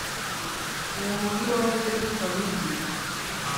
(uwo mugi wahoze witwa Luzi).